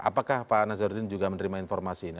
apakah pak nazarudin juga menerima informasi ini